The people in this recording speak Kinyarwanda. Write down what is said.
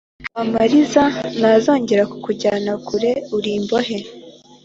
kamari ntazongera kukujyana kure uri imbohe.